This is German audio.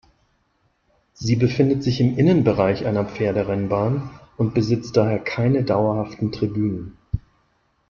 Sie befindet sich im Innenbereich einer Pferderennbahn und besitzt daher keine dauerhaften Tribünen.